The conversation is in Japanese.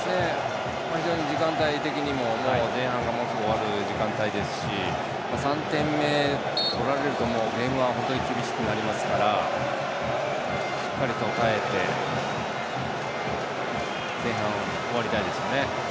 非常に時間帯的にも前半がもうすぐ終わる時間帯ですし３点目取られると、もうゲームは本当に厳しくなりますからしっかりと耐えて前半を終わりたいですね。